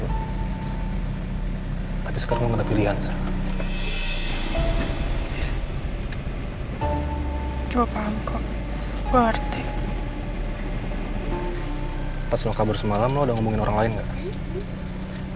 atau ada orang lain yang tau keberadaan lo selain gue